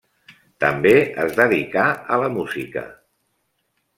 També es dedicà a la música.